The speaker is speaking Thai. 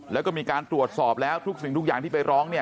แล้วก็มีการตรวจสอบแล้วทุกอย่างที่ไปร้อง